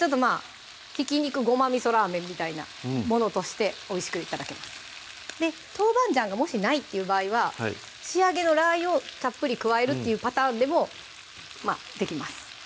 ひき肉ごまみそラーメンみたいなものとしておいしく頂けますで豆板醤がもしないっていう場合は仕上げのラー油をたっぷり加えるっていうパターンでもまぁできます